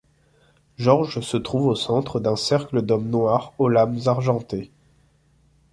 Georges se trouve au centre d’un cercle d’hommes noirs aux lames argentées.